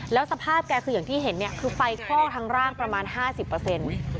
แล้วสภาพแกคืออย่างที่เห็นเนี่ยคือไฟคลอกทั้งร่างประมาณ๕๐เปอร์เซ็นต์